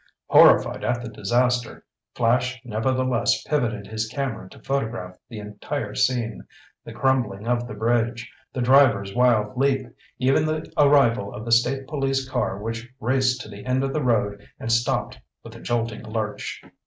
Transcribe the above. Horrified at the disaster, Flash nevertheless pivoted his camera to photograph the entire scene—the crumbling of the bridge, the driver's wild leap, even the arrival of the state police car which raced to the end of the road and stopped with a jolting lurch.